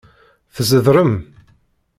Tzedrem.